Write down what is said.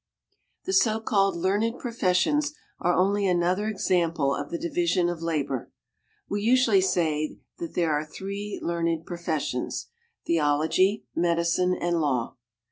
The so called learned professions are only another example of the Division of Labor. We usually say there are three learned professions: Theology, Medicine and Law.